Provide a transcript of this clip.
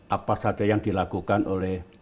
apa saja yang dilakukan oleh